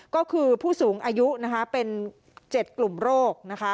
ก็คือผู้สูงอายุเป็น๗กลุ่มโรค